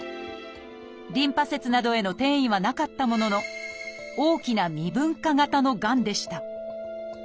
リンパ節などへの転移はなかったものの大きな未分化型のがんでした。